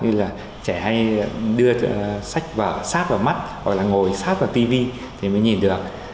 như là trẻ hay đưa sách vở sát vào mắt hoặc là ngồi sát vào tv thì mới nhìn được